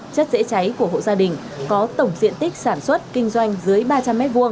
chất dễ cháy của hộ gia đình có tổng diện tích sản xuất kinh doanh dưới ba trăm linh m hai